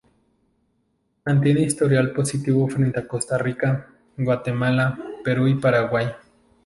Mantiene historial positivo frente Costa Rica, Guatemala, Perú y Paraguay.